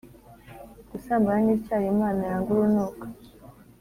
Gusambana ni icyaha imana yanga urunuka